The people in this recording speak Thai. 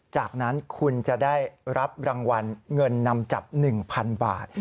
จากนั้นคุณจะได้รับรางวัลเงินนำจับ๑๐๐๐บาท